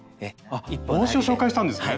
あっ帽子を紹介したんですね。